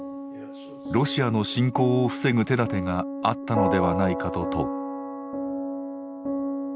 「ロシアの侵攻を防ぐ手だてがあったのではないか」と問う。